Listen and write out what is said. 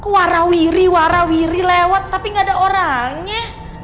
warawiri warawiri lewat tapi gak ada orangnya